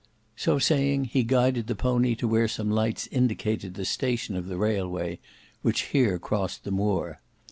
So saying, he guided the pony to where some lights indicated the station of the railway, which here crossed the moor.